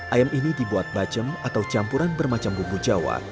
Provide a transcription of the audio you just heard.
ayam ini dibuat bacem atau campuran bermacam bumbu jawa